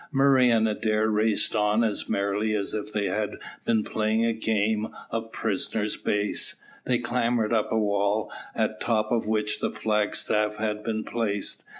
Murray and Adair raced on as merrily as if they had been playing a game of prisoner's base. They clambered up a wall, at the top of which the flag staff had been placed.